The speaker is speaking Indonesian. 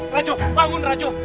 raju bangun raju